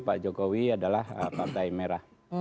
pak jokowi adalah partai merah